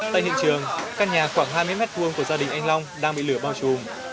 tại hiện trường căn nhà khoảng hai mươi m hai của gia đình anh long đang bị lửa bao trùm